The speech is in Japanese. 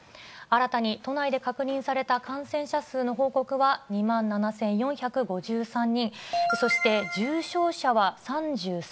新たに都内で確認された感染者数の報告は２万７４５３人、そして重症者は３３人。